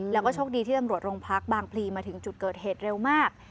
แล้วก็โชคดีที่ตำรวจโรงพักบางพลีมาถึงจุดเกิดเหตุเร็วมาก